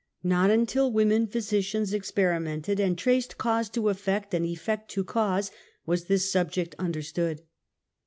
'Not until women physicians experi mented and traced cause to effect and effect to cause, was this subject understood.